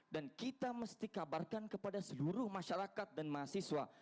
dan kita mesti kabarkan kepada seluruh masyarakat dan mahasiswa